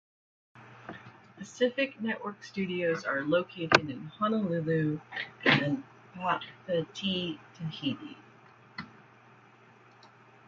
Pacific Network studios are located in Honolulu and Papeete, Tahiti.